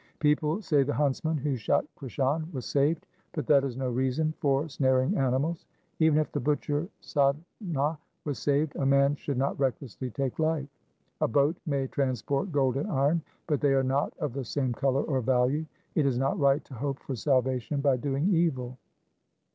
People say the huntsman who shot Krishan was saved, but that is no reason for snaring animals. Even if the butcher Sadhna was saved, a man should not recklessly take life. A boat may transport gold and iron, but they are not of the same colour or value. It is not right to hope for salvation by doing evil.